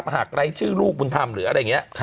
ไร้ชื่อลูกบุญธรรมหรืออะไรอย่างนี้